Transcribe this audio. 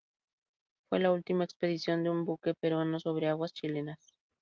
Fue la última expedición de un buque peruano sobre aguas chilenas.